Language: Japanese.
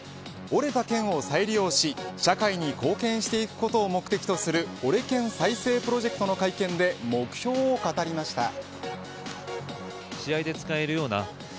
折れた剣を再利用し社会に貢献していくことを目的とする折れ剣再生プロジェクトの会見で目標を語りました。